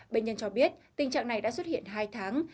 bệnh nhân cho biết tình trạng này đã xuất hiện hai tháng